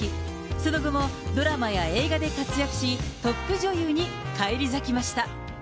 その後もドラマや映画で活躍し、トップ女優に返り咲きました。